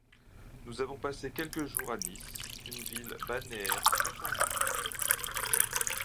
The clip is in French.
Nous avons passé quelques jours à Nice, une ville balnéaire très charmante.